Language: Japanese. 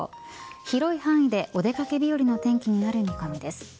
広い範囲でお出掛け日和の天気になりそうです。